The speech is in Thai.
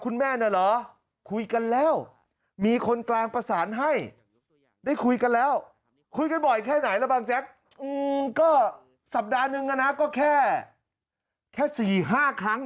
แล้วคุยกันบ่อยแค่ไหนแล้วบางแจ๊คก็สัปดาห์นึงนะนะก็แค่แค่สี่ห้าครั้ง